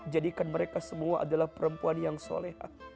jadikan mereka semua adalah perempuan yang solehah